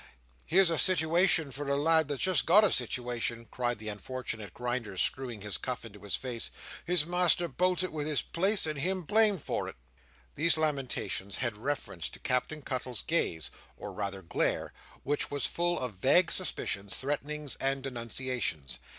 Here's a sitiwation for a lad that's just got a sitiwation," cried the unfortunate Grinder, screwing his cuff into his face: "his master bolted with his place, and him blamed for it!" These lamentations had reference to Captain Cuttle's gaze, or rather glare, which was full of vague suspicions, threatenings, and denunciations.